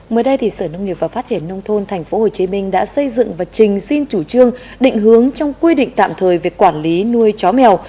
mới đây thì sở nông nghiệp và phát triển nông thôn tp hcm đã xây dựng và trình xin chủ trương định hướng trong quy định tạm thời về quản lý nuôi chó mèo